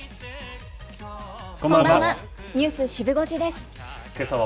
こんばんは。